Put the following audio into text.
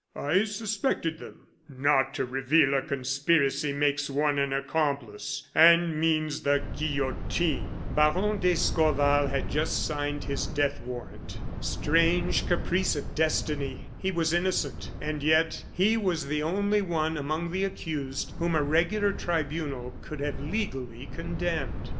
"I suspected them." "Not to reveal a conspiracy makes one an accomplice, and means the guillotine." Baron d'Escorval had just signed his death warrant. Strange caprice of destiny! He was innocent, and yet he was the only one among the accused whom a regular tribunal could have legally condemned.